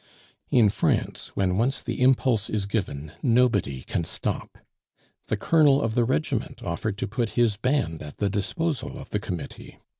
In France, when once the impulse is given, nobody can stop. The colonel of the regiment offered to put his band at the disposal of the committee.